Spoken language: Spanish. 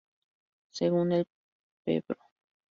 Según el Pbro.